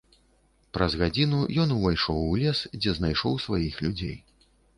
Праз гадзіну ён увайшоў у лес, дзе знайшоў сваіх людзей.